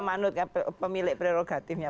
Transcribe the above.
manurut pemilik prerogatifnya